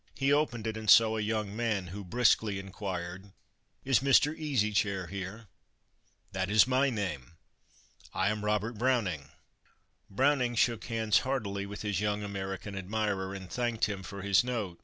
He opened it, and saw a young man, who briskly inquired, "Is Mr. Easy Chair here?" "That is my name." "I am Robert Browning." Browning shook hands heartily with his young American admirer, and thanked him for his note.